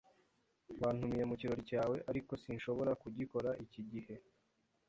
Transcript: Wantumiye mu kirori cyawe, ariko sinshobora kugikora iki gihe.